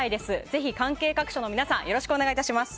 ぜひ関係各所の方よろしくお願いします。